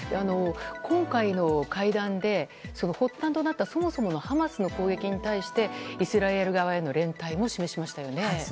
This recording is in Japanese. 今回の会談で、発端となったそもそものハマスの攻撃に対してイスラエル側への連帯も示しましたよね。